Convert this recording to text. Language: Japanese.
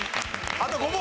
あと５問。